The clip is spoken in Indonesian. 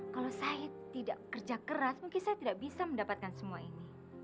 kalau saya tidak kerja keras mungkin saya tidak bisa mendapatkan semua ini